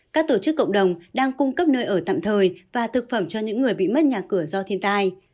các tổ chức cộng đồng đang cung cấp nơi ở tạm thời và thực phẩm cho những người bị mất nhà cửa do thiên tai